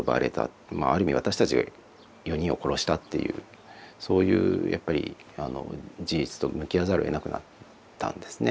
ある意味私たちが４人を殺したっていうそういうやっぱり事実と向き合わざるをえなくなったんですね。